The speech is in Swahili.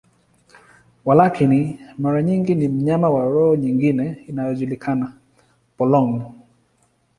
Walakini, mara nyingi ni mnyama wa roho nyingine inayojulikana, polong.